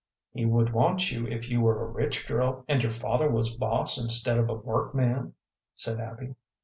"He would want you if your were a rich girl, and your father was boss instead of a workman," said Abby.